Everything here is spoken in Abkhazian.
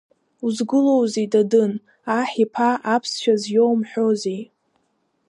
Узгылоузеи, Дадын, Аҳ иԥа аԥсшәа зиоумҳәозеи?!